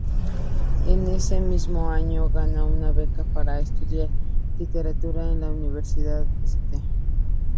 En ese mismo año, gana una beca para estudiar literatura en la Universidad St.